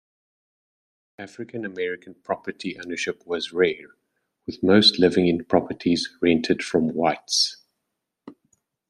African American property ownership was rare, with most living in properties rented from whites.